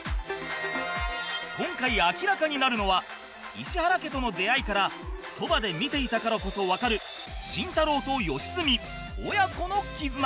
今回明らかになるのは石原家との出会いからそばで見ていたからこそわかる慎太郎と良純親子の絆